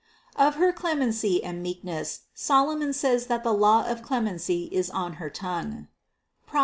590. Of her clemency and meekness Solomon says that the law of clemency is on her tongue (Prov.